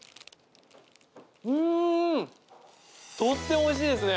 とってもおいしいですね！